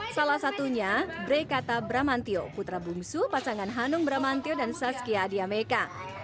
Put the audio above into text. salah satunya bre kata bramantio putra bungsu pasangan hanung bramantio dan saskia diameka